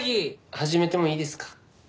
始めてもいいですか？